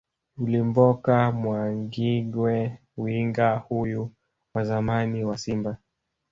Ulimboka Mwangingwe Winga huyu wa zamani wa Simba